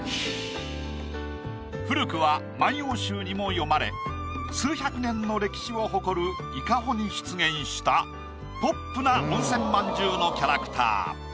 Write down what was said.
古くは『万葉集』にも詠まれ数百年の歴史を誇る伊香保に出現したポップな温泉まんじゅうのキャラクター。